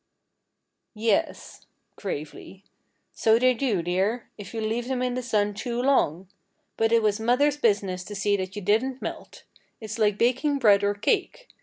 "Yes," gravely, "so they do, dear, if you leave them in the sun too long. But it was mother's business to see that you didn't melt. It's like baking bread or cake.